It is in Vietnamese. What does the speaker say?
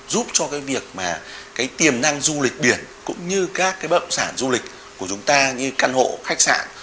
giúp cho việc tiềm năng du lịch biển cũng như các bất động sản du lịch của chúng ta như căn hộ khách sạn